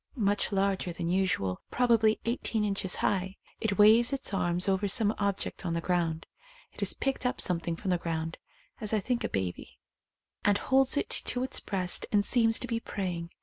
Much larger than usual, probably eighteen inches high. It waves its arms over some object on the ground. It has picked up something from the ground (as I think a baby) and holds it to its breast and seems to be praying.